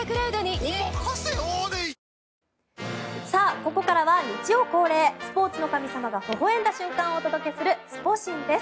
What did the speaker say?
ここからは、日曜恒例スポーツの神様がほほ笑んだ瞬間をお届けするスポ神です。